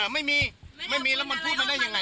ไม่มีไม่มีแล้วมันพูดมาได้ยังไง